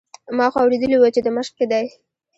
ما خو اورېدلي وو چې د مشق کې دی.